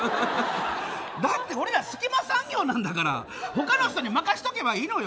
だって俺ら、隙間産業なんだから他の人に任せておけばいいのよ。